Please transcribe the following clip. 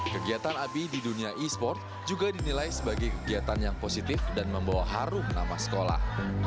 kegiatan abi di dunia e sport juga dinilai sebagai kegiatan yang positif dan membawa harum nama sekolah